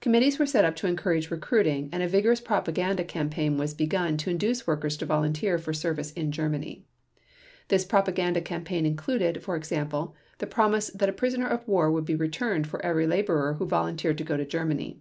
Committees were set up to encourage recruiting, and a vigorous propaganda campaign was begun to induce workers to volunteer for service in Germany. This propaganda campaign included, for example, the promise that a prisoner of war would be returned for every laborer who volunteered to go to Germany.